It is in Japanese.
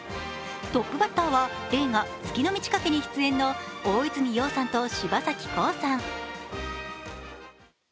トップバッターは映画「月の満ち欠け」に出演の大泉洋さんと柴咲コウさん。